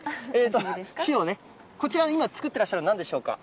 火をね、こちらで今作ってらっしゃるのはなんでしょうか。